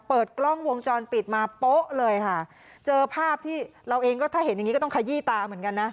เปิดกล้องวงจรปิดมาโป๊ะเลยค่ะเจอภาพที่เราเองก็ถ้าเห็นอย่างงี้ก็ต้องขยี้ตาเหมือนกันนะ